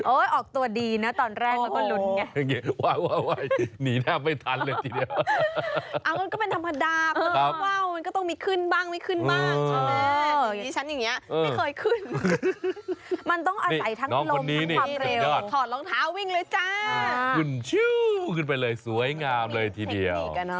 โอ๊ยออกตัวดีนะตอนแรกมันก็หลุนไง